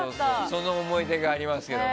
その思い出がありますけど。